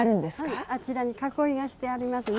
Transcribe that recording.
はいあちらに囲いがしてありますね。